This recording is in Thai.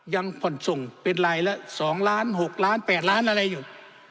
ยังผ่อนส่งเป็นรายละ๒ล้าน๖ล้าน๘ล้านอะไรอยู่